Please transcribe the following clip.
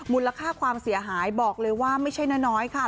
มูลค่าความเสียหายบอกเลยว่าไม่ใช่น้อยค่ะ